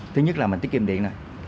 thứ nhất là mình tiết kiệm điện nè